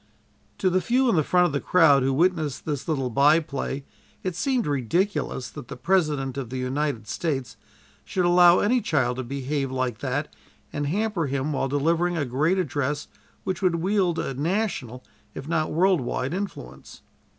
To the few in the front of the crowd who witnessed this little by play it seemed ridiculous that the President of the United States should allow any child to behave like that and hamper him while delivering a great address which would wield a national, if not world wide influence.